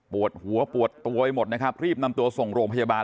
ปวดหัวปวดตัวไปหมดนะครับรีบนำตัวส่งโรงพยาบาล